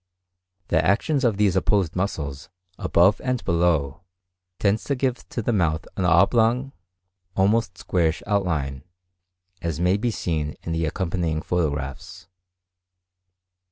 The action of these opposed muscles, above and below, tends to give to the mouth an oblong, almost squarish outline, as may be seen in the accompanying photographs.